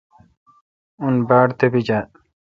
اون باڑ تپیجال۔